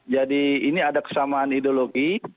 jadi ini ada kesamaan ideologi